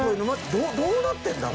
どうなってんだ？